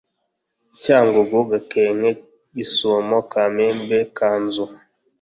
cyangugu gakenke gisuma kamembe kanzu